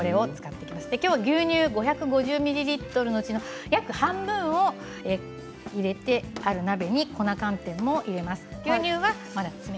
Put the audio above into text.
きょうは牛乳が５５０ミリリットルのうちの約半分を入れて鍋に粉寒天を入れます。